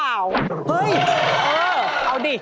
เอาสิ